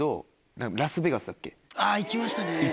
あぁ行きましたね